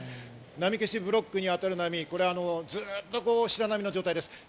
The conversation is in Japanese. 波消しブロックに当たる波、ずっと白波の状態です。